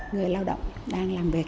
người lao động đang làm việc